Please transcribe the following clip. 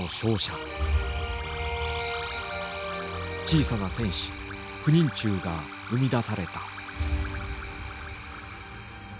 小さな戦士不妊虫が生み出された。